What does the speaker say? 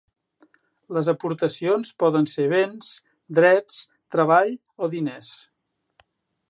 Les aportacions poden ser béns, drets, treball o diners.